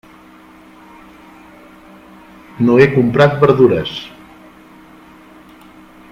No he comprat verdures.